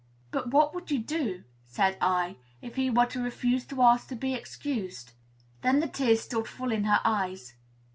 "But what would you do," said I, "if he were to refuse to ask to be excused?" Then the tears stood full in her eyes.